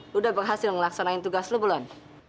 lo udah berhasil ngelaksanain tugas lo bulan